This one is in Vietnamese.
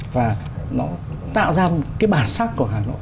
và nó tạo ra một cái bản sắc của hà nội